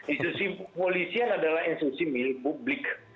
institusi kepolisian adalah institusi milik publik